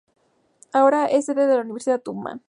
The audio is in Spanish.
Ahora es sede de la Universidad Tubman.